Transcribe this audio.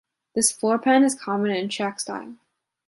This floor plan is common in Chaac style.